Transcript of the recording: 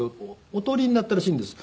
お通りになったらしいんです。